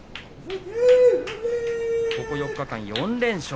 ここ４日間、４連勝。